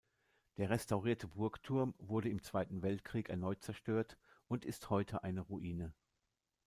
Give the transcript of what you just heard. Der restaurierte Burgturm wurde im Zweiten Weltkrieg erneut zerstört und ist heute eine Ruine.